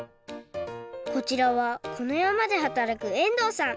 こちらはこのやまではたらく遠藤さん。